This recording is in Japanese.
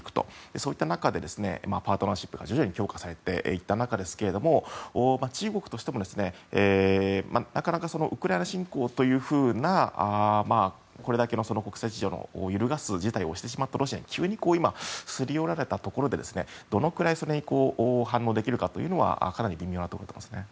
そういった中でパートナーシップが徐々に強化されていった中ですけれども中国としても、なかなかウクライナ侵攻というふうなこれだけの国際秩序を揺るがす事態をしてしまったロシアに急にすり寄られたところでどのくらい、それに反応できるかというところはかなり微妙なところですね。